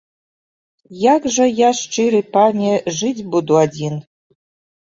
Як жа я, шчыры пане, жыць буду адзін?